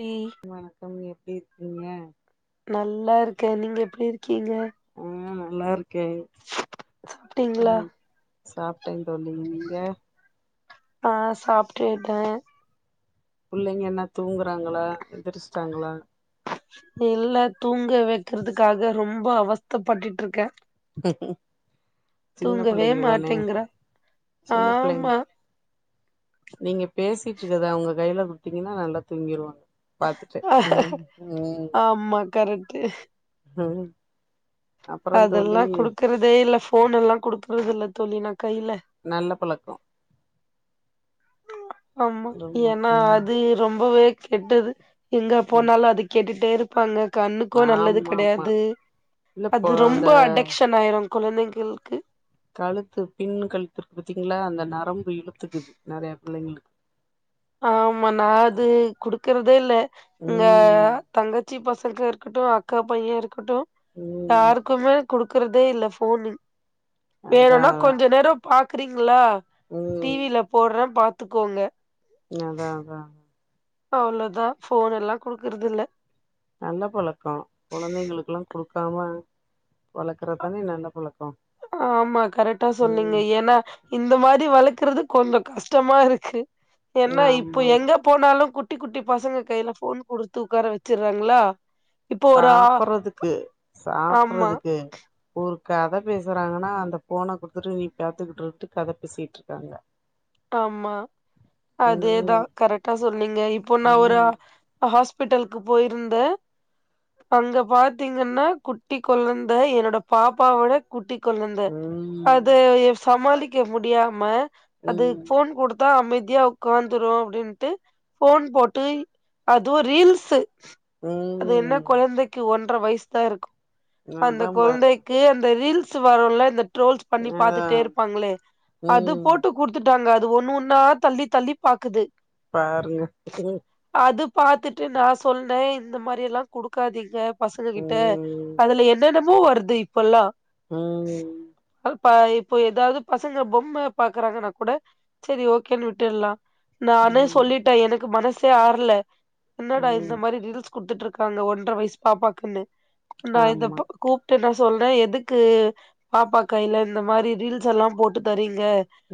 D வணக்கம் நீ எப்டி க்கிங்க நல்லாருக்கே நீங்க எப்டி இருக் நார் கே சாப்ட்டீங்களா உம் சாப்ட்டே தோழி நீங்க ஆஹ் சாப்ட்டுட்டே புள்ளைங்க என்ன தூங்குறாங்களா எந்திரிச்சிட்டாங்களா இல்ல தூங்க வைக்கறிறதுக்காக ரொம்ப அவஸ்தப்பட்டுட்ருக்கே சின்ன தூங்கவே புள்ளைங்க தானே மாட்டேங்கிறா சின்ன பிள்ளைங்க ஆமா நீங்க பேசிட்டு இருக்கத அவங்க கையில குடுத்தீங்கன்னா நல்லா தூங்கிடுவா பாத்துட்டே உம் உம் து ஆஹ் அதெல்லா குடுக்குறதே இல்ல போன் எல்லா குடுக்க [unintelligible] தோழி கையில நல்ல பழக்கோ ஆமா ஏனா அது ரொம்பவே கெட்டது எங்க ம் போனாலு அது கேட்டுட்டே இரு பாங்க கண்ணுக்கு நல்லது ஆமா ஆமா கெடயாது இல்ல இப்போ அது அந்த ரொம்போ அடெக்ஷன் ஆய்ரும் குழந்தைங்கள்க்கு கழுத்து பின்னு கழ்த்திர்க்கு பாத்தீங்ளா அந்த நரம்பு இழுத்துக்குது நெறைய பிள்ளைங்கிளுக்கு ஆமா நா அது குடுக்கறதே இல்ல இங்க ம் தங்கச்சி பஸ் கள்ஹா இருக்கட்டு அக்கா பையே இருக்கட்டு ம் யாருக்குமே குடு க்குறதே இல்ல ஃபோனு அதா வேணுனா அதா கொஞ்ச நேரோ பா க்குறீங்குளா ம் டிவில போட்றேன் பாத் த்துகோங்க நி அதா அதா அதா இப்பவுளதா ஃபோனெல்லா குடுக்குறுதில்ல நல்ல பழக்கோ குழந்தைங்குளுக்குலா குடுக்காம வளக்குறதானே நல்ல பழக்கோ ஆமா கரேட்டா சொன்னீங்க ம் ஏனா இந்த மாதி வளக் கிறுது கொஞ்சோ கஷ்டமா இருக்கு என்ன இப்போ ஆமாமா எங்க போனாலு குட் குட்டி குட்டி பசங்க கைல ஃபோன் குடுத்து உக்கார வச்சுர்றாங்ளா சாப்புறதுக்கு ஆமா, சாப்றதுக்கு உம் கத பேசுறாங்கனா அந்த போன குடுத்துட்டு நீ பாத்துகிட்ருக்ட்டு கத பேசிட்ருகாங்க ஆமா அதேதா ம் கரெக்டா சொன்னீங்க இப்போ நா ஒரு ம் ஆஹ் அஹ் ஹாஸ் பிட்டல்க்கு போயிருந்த அங்க பாத்தீங்கன்னா குட்டி கொழந்த என்னோட பாப்பாவாவோட குட்டி கொழந்த அதூ ம் எஃப்ஸ் சமாளிக்க முடியாம அது ம் ஃபோன் குடுத்தா அமை தியா உக்காந்துரு அப்டின்ட்டு ஃபோன் போட்டு அதுவு ரீல்ஸு அது என்ன ம் கொழந்தைக்கு ஒன் ற வய்ஸ்தா இருக்கு அந்த அதா பாருங்க கொழ்ந்தைக்கு அந்த ரீல்ஸ் வரும்ல இந்த ட்ரோல்ஸ் பண்ணி அதா பாத்துட்டே இருப்பாங்களே அது ம் போட்டு குடுத்துட்டாங்க அது ஒன்னு ஒன்னா தள்ளி தள்ளி பாக்குது பாருங்க அது பாத்துட்டு நா சொன்னே இந்த மாரி எல்லா குடுக்காதீங்க பசங்க கிட்ட ம் அதுல என்னென்ன மோ வருது இப்பல்லா உஹம் பா இப்போ ஏதாவது பசங்க பொம்ம பாக் றாங்கன்னா கூட சேரி ஓகேன்னு விட்டுல்லா நானே ஆமா சொல்லிட்டே எனக்கு மனசு சே ஆறுல என்னடா இந்த ம் மாரி ரீல்ஸ் குடுத்துட்டு இருக்காங்க ஒன்றரை வயசு பாப்பாக்குன்னு நா இத ஆமா கூப்டு நா சொல்றே எதுக்கு பாப்பா கையில இந்த மாரி ரீல்ஸ் எல்லா போட்டு தரீங்க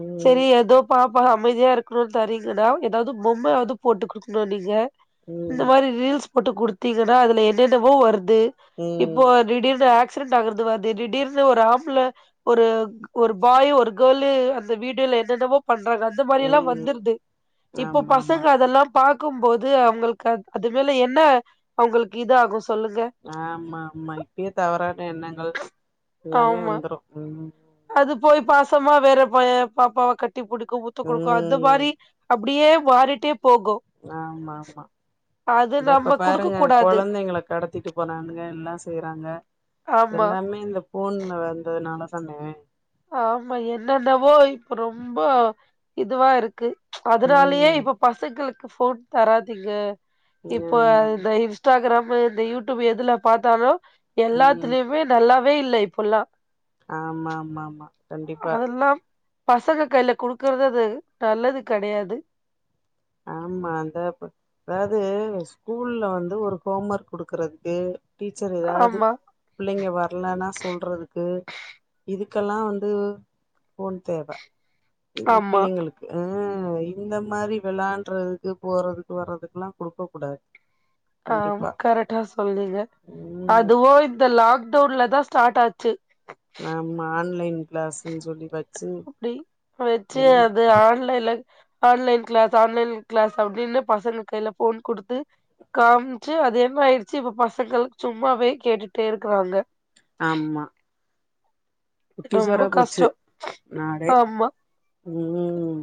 ம் சேரி ஏதோ பா அமைதியா இருக்கனும்னு தரீங்கன்னா ஏதாவது பொம்மையாவது போட்டு குடுக்கணு நீங்க இந்த ம் மாரி ரீல்ஸ் போட்டு குடுத்தீங்கன்னா அதுல என்னென்னவோ வருது து ம் இப்போ திடீர்னு ஆக் ஆக்சிடெண்ட் ஆகறது வர்து திடீர்னு ஒரு ஆம்பல ஒரு ஒரு பாய் ஒரு கேர்ளு அந்த இந்த வீடியோல என்னென்னமோ பண்றாங்க அந்த மாரி எல்லா ம் வந்துருது இப்ப ஆமா ஆமா பசங்க அதெல்லாம் பா பாக்கும் போது அவுங்களுக்கு அது மேல என்ன அவுங்களுக்கு இது ஆகும் சொ ஆமா ஆமா இப்பயே தவறான எண்ணங்கள் எல்லாமே ஆமா வந்துரும் உம் அது போய் பாசமா வேற பய பாப்பாவ கட் கட்டி பிடிக்கும் முத்த குடுக்கும் அந்த ம் மாரி அப்டியே மாரிட்டே ஆமா ஆமா அது இந்தா இப்ப நம்ம குடுக்க பாருங்க கூடாது கொழந்தைங்கள கடத்திட்டு போனானுங்க எல்லாமே செய்றாங்க ஆமா எல்லாமே இந்த ஃபோன்ல வந்ததுனால தானே ஆமா என்னன்னவோ இப்ப ரொம்ப இதுவா இருக்கு அதனாலயே ம் இப்ப பசங்களுக் கு ஃபுட் தராதீங்க இப்போ ஆமா அந்த இன்ஸ்டாகிராம் லோ இந்த யூட்யூப் எதுல பாத்தாலு எல்லாத்லயுமே நல்லாருக் வே இல்ல இப்போல்லா ஆமாம்மாம்மா அதெல்லாம் பசங்க கைல குடுக்கற்து அது நல்லது கெடையாது ஆமா அதாது அதாவ்து ஸ்கூல்ல வந்து ஒரு ஹோம் ஒர்க் குடுக்குறதுக்கு டீச்சர் எதாவ்து ஆமா பிள்ளைங்க வர்லனா சொல்றதுக்கு இதுக் கெல்லா வந்து ஃபோன் தேவ இந்த ஆமா பிள்ளைங்களுக்கு உம் உம் இந்த மாரி வெளாண்றதுக்கு போறதுக்கு வர்றதுக்குலா குடுக்க கூடாது ஆஹ் கண்டிப்பா கரெக்டா சொன்னீங்க ம் அதுவு இந்த லாக் டவுன்ல தா ஸ்டார்ட் ஆச்சு நம்ம ஆன்லைன் கிளாஸுன் சொல்லி பட் அப்டி வச்சு அது ஆன்லைன்ல ஆன்லைன் க்ளாஸ் ஆன்லைன் க்ளாஸ் அப்டின்னு பசங்க கைல ஃபோன் குடுத்து காம்ச்சு அது என்னாயிருச்சு இப்ப பசங்க சும்மாவே கேட்டுட்டே இருக்கிறாங்க ஆமா ரொம்ப குட்டிசோரா போச்சு கஷ்ட நாடே ஆமா ம்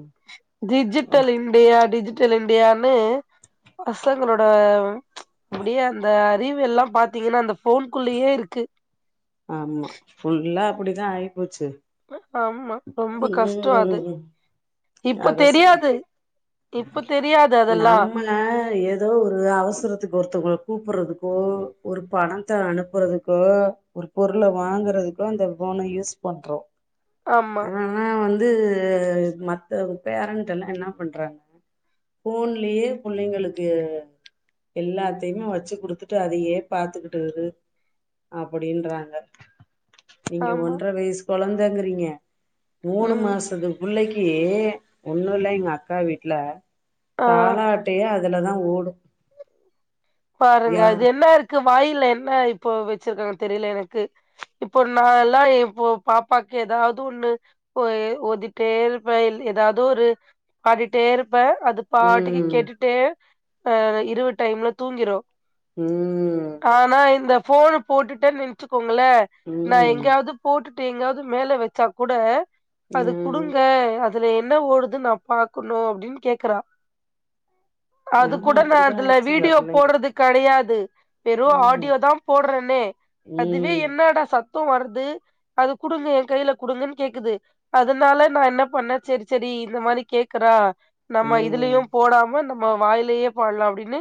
டிஜிட்டல் இண்டியா டிஜி ட்டல் இண்டியான்னு பசங்களோட அப்டியே அந்த அறிவெல்லா பாத்தீங்கனா அந்த ஃபோன்க்குள்ளயே இருக்கு ஆமா ஃபுல்லா அப்டிதா ஆயிப்போச்சு ஆமா ரொம்ப கஷ்ட அது ம் இப்ப தெரியாது இப்ப தெரியாது அதெல்லா நம்மள ஏதோ ஒரு அவசரத்துக்கு ஒருத்தவ்ங்க கூப்புட்றதுக்கோ ஒரு பணத்த அனுப்புறதுக்கோ ஒரு பொருள வாங்குறதுக்கோ இந்த ஃபோன யூஸ் பண்றோ ஆமா ஆனா வந்து மத்தவ்ங்க பேரண்டெல்லா என்ன பண்றாங்க ஃபோன்லேயே பிள்ளைங்களுக்கு எல்லாத்தைமே வச்சு குடுத்துட்டு அதையே பாத்துக்கிட்டு இரு அப்டின்றாங்க நீங்க ஆமா ஒன்ர வயசு கொழந்தங்றீங்க மூணு ம் மாசத்து பிள்ளைக் கி ஒன்னு இல்ல எங்க அக்கா வீட் ல ஆ தாளாட்டையே அ அதுலதா ஓடு பாருங்க யா அது என்னா இருக்கு வாயில் என்ன இப்போ வெச்சிருக்காங்க தெரில எனக்கு இப்போ நா எல்லா இப்போ பாப்பாக்கு ஏதாவது ஒண்ணு ஒ ஓதிட்டே இருப்ப எதாவது ஒரு பாடிட்டே இருப் ப அது பாட்டுக்கு ம் கேட்டுட்டே ஆ இரவு டைம்ல தூங்கிரு ம் ஆனா இந்த ஃபோனு போட்டுட்டன் நெனச் கோங்களே நா ம் எங்கயாவது போட்டு ட்டு எங்காவது மேல வெச்சா கூட அது குடுங்க அதுல என்ன ஓடுதுன் நா பாக்கணு அப்டின்னு கேக்குறா அ அது ஆமா கூட நான் அப்டிதா இதுல ஆயிடுச்சுங்க வீடியோ பிள்ளைங்க போடறது கெடையாது வெறு ம் ஆடியோதா போடறன்னே அதுவே ம் என்னடா சத் த வருது அது குடுங்க எ கையில குடுங்கன் கேக்குது அதனால நா என்ன பண்ண செரி செரி இந்த மாரி கேக்குறா நம்ம ம் இதுலயும் போடாம நம் ம வாய்லயே பாடலா அப்டின் னு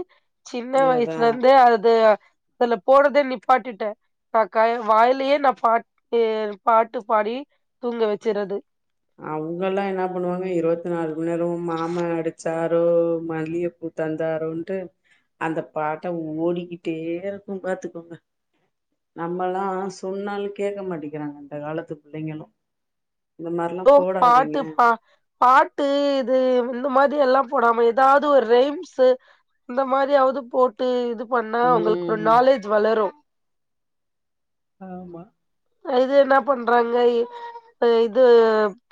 சின்ன அதா வயசிலந்தே அது அதுல போறதே நிப்பாட்டிட்ட நா கய வாயிலயே நா பாட் ட பாட்டு பாடி தூங்க வெச்சிர்றது. அவுங்கலா என்னா பண்ணுவாங்க இருவத்து நாலு மண் நேரமு மாம அடிச்சாரோ மல்லிகப்பூ தந்தாரோன்ட்டு அந்த பாட்ட ஓடிகிட்டேருக்கு பாத்துகோங்க நம்மலா சொன்னாலு கேக்க மாட்டிங்கிறாங்க இந்த காலத்து பிள்ளைங்களு இந்த மாரிலா எதோ போடாதீங்க பாட்டு பா பாட்டு இது வந் இந்த மாரி எல்லா போடாம எதாது ஒரு ரெய்ம்ஸு இந்த மாரியாவுது போட்டு இது பண்ணா உங்களுக்கொரு ம் நாலேஜ் வளரு ஆமா இது என்னா பண்றாங்க இ இது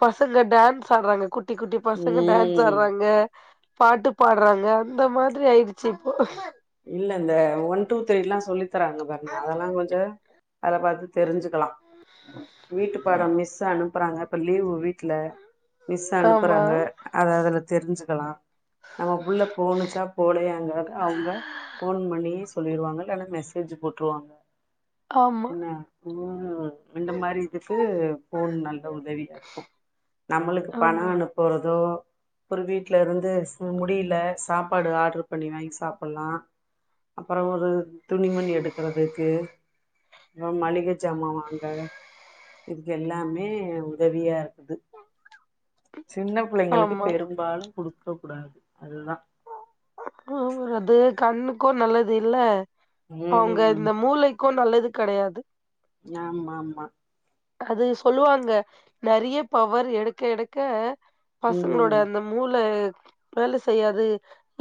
பசங்க டான்ஸ் ஆடறாங்க கு குட்டி குட்டி பசங்க டான்ஸ் ம் ஆடறாங்க பாட்டு பாடறாங்க அந்த மாதிரி ஆயிடிச்சு இப்போ இல்ல இந்த ஒன் டூ த்ரீல்லா சொல்லி தறாங்க பாருங்க அதல்லா கொஞ்ச அத பாத்து தெரிஞ்சு. க்லாம் வீட்டுப். பாடம் மிஸ் அனுப்றாங்க இப்ப லீவு வீட்ல. மிஸ் ஆமா அனுப்றாங்க அத அதுல. தெரிஞ்சுக்லாம் நம்ம புள்ள போணுச்சா போலயாங்கறது அவுங்க. போன் பண்ணி சொல்லிருவாங்க இல்லனா மெசேஜ் போட்ருவாங்க. ஆமா என்ன ம். இந்த மாரி இதுக்கு போன் நல்ல உதவியார்க்கும் நம்மளுக்கு ஆமா பணம் அனுப்பறதோ. ஒரு வீட்ல இருந்து ஷ் முடியில சாப்பாடு ஆர்டர் பண்ணி வாங்கி சாப்புலாம். அப்பறோ ஒரு துணிமணி எடுக்கறதுக்கு ப்றோ மளிக ஜாமா வாங்க இதுக்கு எல்லாமே உதவியா இருக்குது சின்ன பிள்ளைங்களுக்கு ஆமா பெரும்பாலும் குடு கக்குடாது அதுதா கண்ணுக்கோ நல்லது இல்ல அவுங்க ம் இந்த மூளைக்கு நல்லது கெடையாது ஆமா ஆமா அது சொல்லுவாங்க நெறைய பவர் எடுக்க எடுக்க பசங்ளோட ம் அந்த மூள வேல செய்யாது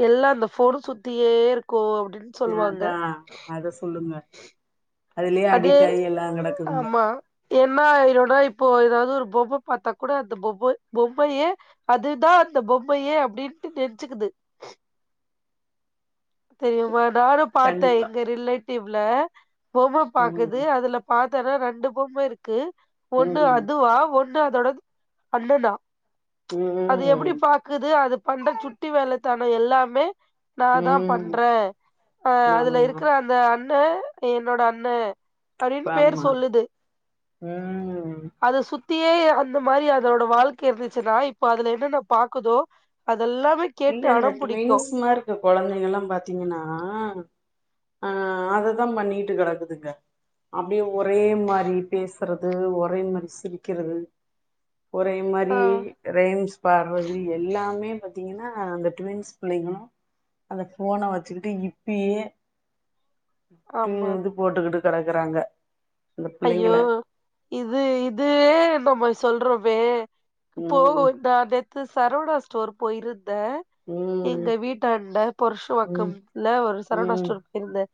எல்லா அந்த ஃபோன சுத்தியேருக்கு அதா அத சொல்லுங்க அதுலே அடிட் ஆயி எல்லா கெடக்குதுங்க என்னா ஆயிருன்னா இப்போ எதாவது ஒரு பொம்ம பாத்தா கூட அந்த பொம்ம பொம்மயே அதுதா அந்த பொம்மையே அப்டின்ட்டு நென்ச்சுக்குது தெரியுமான் நானு பாத்த கண்டிப்பா எங்க ரிலேட் டியூப் ல பொம்ம பாக்குது ம் அதுல பாக் தர ரண்டு பொம்ம இருக் கு ஒண்ணு ம் அதுவா ஒண் ணு அதோடது அண்ணன்னா அது எப்படி ம் பாக்குது அது பண்ற சுட்டி வேலத் தானே எல்லாமே நா தா ம் பண்ற ஆ அதுல ஆமா இருக்ற அந்த அன் ண்ண என்னோட அண்ண அப்பிடினு பேர் ஆமா சொல்லுது ம் அது சுத் தியே அந்த மாரி அதோட வாழ்க்க இருந்துச்சுன்னா இப்ப அதுல என்னன்ன பாக்குதோ அது இல்ல அந்த ட்டுவின்ஸ்மார் இருக்க கொழந்தைக எல்லா பாத் த்தீங்கன்னா ஆ அததா பண்ணிட்டு கெடக்குதுங்க அப்டியே ஒரே மாரி பேசுறது ஒரே மாரி சிரிக்றது ஒரே மாரி ஆ ரேய்ம்ஸ் பாட்றது எல்லாமே த்தீங்கன்னா அந்த ட்வின்ஸ் பிள்ளைங்களு அந்த போன வெச்சுக்கிட்டு இப்பீயே டு ஆமா இது போட்டுக்கிட்டு கெடக்றாங்க ஐயோ இது இது ம்மோ போய் சொல்றவே போகு ம் இந்த ட்டேத் த்து சரவணா ஸ்டோர் போயிருந் ந்த ம் எங்க வீட்டாண்ட ம் பொருஷ்வாக்கம்ல ஒரு சரவணா ம் ஷ்டோர் போயிருந்தே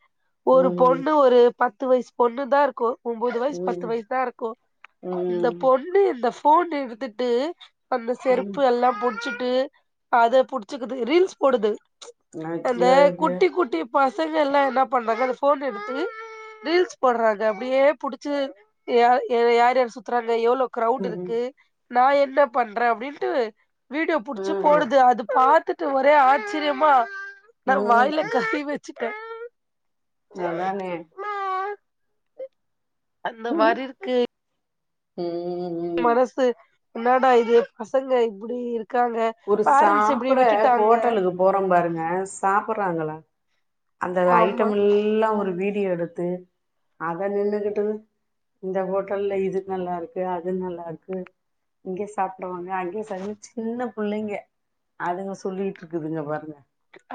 ஒரு ம் பொண்ணு ஒரு பத் பத்து வயசு பொண்ணுதா இருக்கு ஒன்போது வயசு பத்து ம் வயசுதா இருக்கு அந்த ம் பொண்ணு இந்த போன் எடுத்துட்டு அந்த ம் செருப்பு எல்லா புடுச்சு ட்டு அத புடிச்சுக்குது ரீல்ஸ் போடுது அந்த ஐயோ ஐயோ குட்டி குட்டி பசங்க எல்லா என்ன பண்ராங்க அந்த போன் எடுத்து ரீல்ஸ் போடுறாங்க அப்படியே புடிச்சு யா யார் யார் சுத்தர ங்க எவ்வளோ கிரௌடு ம் இருக்கு நா என்ன பண்றே அப்படின்ட்டு.. வீடியோ புடிச்சு ம் போடுது. அது பாத்து ட்டு ஒரே ஆச்சரியமா? நா வாயில ம் கை வெச் ச் டே அதானே! அந்த ம் மாரி இருக்கு ம் உம் உம் மனசு என்னடா இது பசங்க இப்புடி இருக் ஒரு சாப்ட ஹோட்டலுக்கு போறோ பாருங்க சாப்பட்றாங்களா அந்த ஆமா ஐட்டம் எல்லா ஒரு வீ டியோ எடுத்து அத நின்னுகிட்டு இந்த ஹோட்டல்ல இது நல்லாருக்கு அது நல்லாருக்கு இங்கயே சாப்படவாங்க அங்கேயே [unintelligible] சின்ன புள்ளைங்க அதுங்க சொல்லிட்ருக்குதுங்க பாருங்க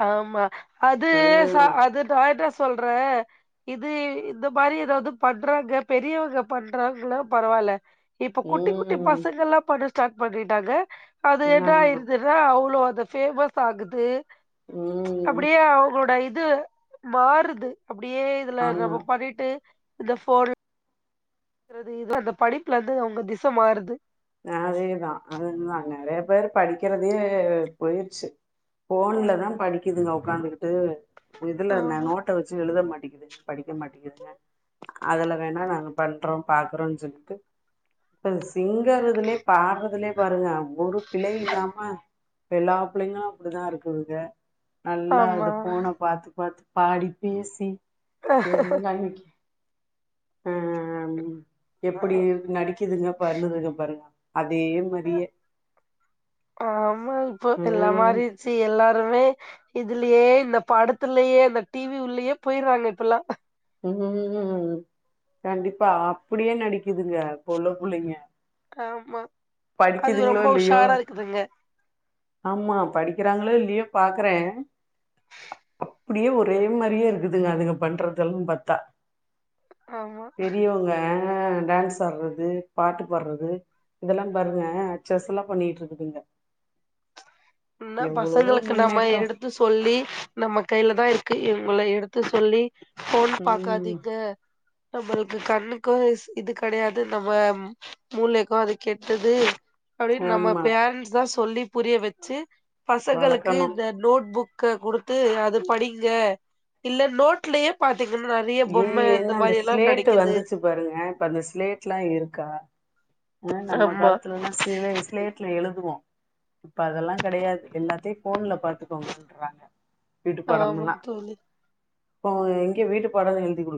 ஆமா அது ச ம் அது டாய்டாஸ் சொல்ற இது இந்த மாரி எதாவ்து பண்றாங்க பெரியவங்க பண்றாங்ன்னா பரவால்ல இப்ப குட்டி குட்டி ம் பசங்க எல்லா பண்ண ஸ்டார்ட் பண்ணிட்டாங்க அது என்ன ஆமா ஆயிருதுனா அவ்ளோ அ து ஃபேமஸ் ஆகுது ம் அப்படியே அவங்ளோட இ து மாறுது அப்டியே இதுல ஆமா [unintelligible] பாடிட்டு இந்த ஃபோன்ல் பண்றது இது [inaudible] அந்த படிப்புலருந்து அவங்க திச மாறுது அ அதே தா அது தா நெறைய பேரு படிக்கறதே போயிர்ச்சு ஃபோன்ல தா படி இதுங்க ஒக்காந்துகிட்டு உ இதுல ந ஆமா நோட்ட வச்சு எழுத மாட் டிகுது படிக்க மாட்டிகுதுங்க அதுல வேணா நாங்க பண்றோ பாக்கறோ சொல்லிட்டு [unintelligible] ங்கறதுலே பாடுறதுலே பாருங்க ஒரு பிழை இல்லாம எல்லா பிள்ளைங்களு அப்படி தா இருக்குதுக நல்லா ஆமா. இத ஃபோன பாத்து பாத்து பாடி பேசி எந்தன்னைக்கி ஆஹ் ஆஹ் அம் எப்பிடி நடிக்குதுங்க பண்ணுதுங்க ருங்க ஆமா இப்ப எல்லா ம் மாறிர்ச்சு எல்லாருமே இதுலயே இந்த படத்துலயே இந்த டி வி உள்ளயே போயிர்றாங்க இப்பெல்லா உம் கண்டிப்பா அப்புடியே நடிக்குதுங்க இப்ப உள்ள புள்ளைங்க ஆமா அதுக படிக்குதுங்களோ ரொம்ப இல்லையோ உஷாரா இருக்குதுங்க ஆமா படிக்கறாங்களோ இல்லயோ பாக்கறே அப்பிடியே ஒரே மாரியே இருக்குதுங்க அதுங்க பண்ற இதல் பத்தா ஆமா. பெரியவுங்க ஆ டான்ஸ் ஆட்றது பாட்டு பாட்றது இதெல்லா பாருங்க அச்சசல்லா பண்ணிட்ருக்குதுங்க ந்தா பசங்களுக்கு நம்ம எடுத்து சொல்லி நம்ம கைலதாருக் கு இவங்ளே எடுத்து சொல்லி ஃபோன் ம் பாக்காதீங்க நம்ளுக்கு கண்ணுக்கூ இது கெடயாது நம்ம மூளைக்கூ அது கெட்டது அப்டின் நம்ம ஆமா பேரண்ட்ஸ் தா சொல்லி புரிய வச் சு பசங்களுக்கு வளக்கணு இந்த நோட் புக் கு குடுத்து அது படிங்க இல்லே நோட்லயே பா ஏ என்ன அந்த ஸ்லேட்டு கெடைக்குது வந்துச்சு பாருங்க இப்ப அந்த ஸ்லேட்ல்லா இருக்கா ஆ நம்ம ஆமா காலத்துலனா சிலே ஸ்லேட்டுல எழுதுவோ ப அதெல்லா கெடயாது எல்லாத்தையு ஃபோன்ல பாத்துக்கோங்கன்றாங்க வீட்டு ஆமா பாடம்ல்லா தோழி போ எங்க வீட்டுப் படோ எழுதி குடுக்க